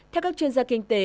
theo các chuyên gia kinh tế